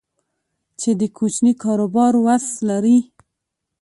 چې د کوچني کاروبار وس لري